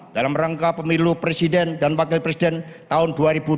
dalam rangka pemilu presiden dan wakil presiden tahun dua ribu dua puluh